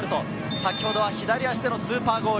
先ほどは左足でのスーパーゴール。